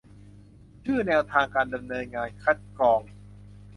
ชื่อ แนวทางการดำเนินงานคัดกรอง